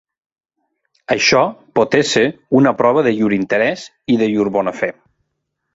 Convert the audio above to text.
Això pot ésser una prova de llur interès i de llur bona fe.